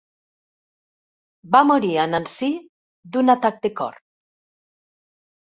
Va morir a Nancy d'un atac de cor.